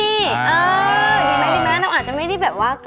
ดีไหมดีไหมเราอาจจะไม่ได้แบบว่า